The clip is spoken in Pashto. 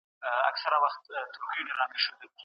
که معلومات کره نه وي د څېړني ارزښت له منځه ځي.